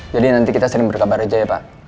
jadi nanti kita sering berkabar aja ya pak